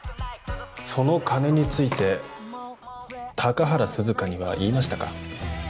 その金について高原涼香には言いましたか？